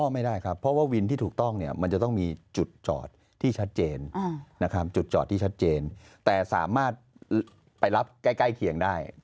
ไม่ได้ครับเพราะว่าวินที่ถูกต้องเนี่ยมันจะต้องมีจุดจอดที่ชัดเจนนะครับจุดจอดที่ชัดเจนแต่สามารถไปรับใกล้เคียงได้